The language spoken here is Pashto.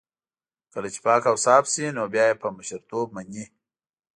کله چې پاک اوصاف شي نو بيا يې په مشرتوب مني.